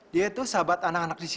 dia itu sahabat anak anak di sini